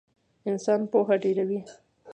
انسان پوهه ډېروي